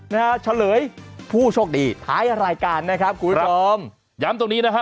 เฉลยผู้โชคดีท้ายรายการนะครับคุณผู้ชมย้ำตรงนี้นะฮะ